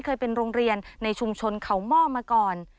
เคยเป็นโรงเรียนในชุมชนเขาหม้อมาก่อน